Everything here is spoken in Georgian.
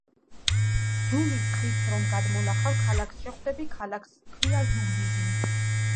ჯუმის ხიდს რომ გადმოლახავ ქალაქს შეხვდები ქალაქს ქვია ზუგდიდი